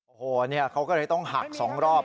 โอ้โฮนี่เขาก็เลยต้องหักสองรอบ